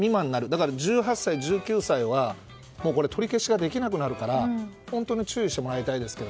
だから１８歳、１９歳は取り消しができなくなるから本当に注意してもらいたいですね。